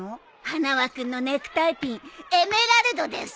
花輪君のネクタイピンエメラルドですって。